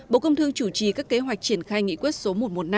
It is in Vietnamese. bộ công thương chủ trì các kế hoạch triển khai nghị quyết số một trăm một mươi năm